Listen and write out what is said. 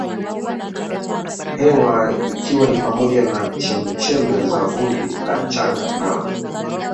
hewa ikiwa ni pamoja na chembechembe za vumbi la mchanga na